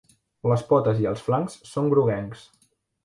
Les potes i els flancs són groguencs.